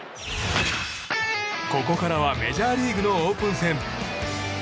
ここからはメジャーリーグのオープン戦。